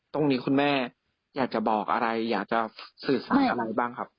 ตรงนี้คุณแม่อยากจะบอกอะไรอยากจะสื่อสารอะไรบ้างครับ